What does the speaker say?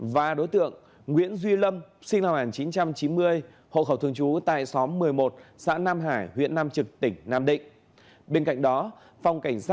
và đối tượng nguyễn duy lâm sinh năm một nghìn chín trăm chín mươi hộ khẩu thường trú tại xóm một mươi một xã nam hải huyện nam trực tỉnh nam định